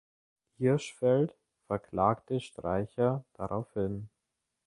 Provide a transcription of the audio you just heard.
Hirschfeld verklagte Streicher daraufhin.